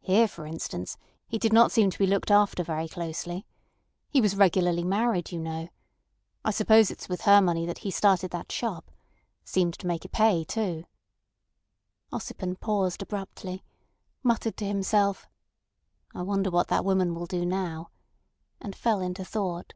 Here, for instance, he did not seem to be looked after very closely. He was regularly married, you know. I suppose it's with her money that he started that shop. Seemed to make it pay, too." Ossipon paused abruptly, muttered to himself "I wonder what that woman will do now?" and fell into thought.